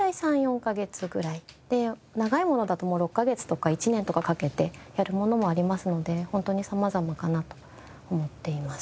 長いものだともう６カ月とか１年とかかけてやるものもありますので本当に様々かなと思っています。